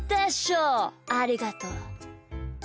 ありがとう。